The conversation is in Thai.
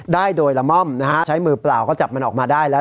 ได้โดยละม่อมนะฮะใช้มือเปล่าก็จับมันออกมาได้แล้ว